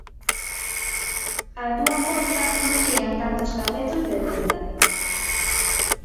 Á túa porta non chegan tantos carretos de renda!